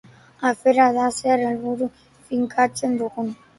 Afera da zer helburu finkatzen dugun.